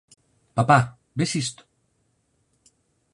Papá, ves isto?